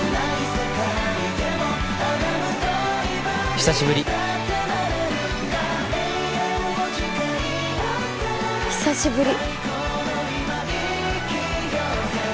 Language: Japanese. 久しぶり久しぶり